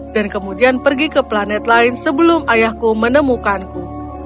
dan kemudian pergi ke planet lain sebelum ayahku menemukanku